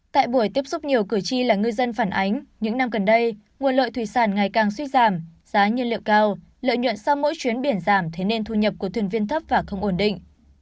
tại buổi tiếp xúc nhiều cử tri là ngư dân phản ánh những năm gần đây nguồn lợi thủy sản ngày càng suy giảm giá nhiên liệu cao lợi nhuận sau mỗi chuyến biển giảm thế nên thu nhập của thuyền viên thấp và không ổn định